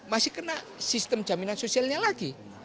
masih kena sistem jaminan sosialnya lagi